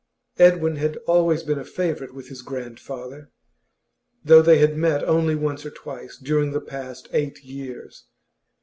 Edwin had always been a favourite with his grandfather, though they had met only once or twice during the past eight years.